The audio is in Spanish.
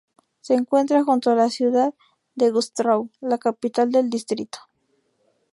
Se encuentra junto a la ciudad de Güstrow, la capital del distrito.